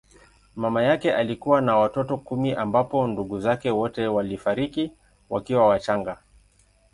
Mama yake alikuwa na watoto kumi ambapo ndugu zake wote walifariki wakiwa wachanga.